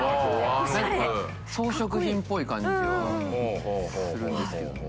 装飾品っぽい感じがするんですけどね。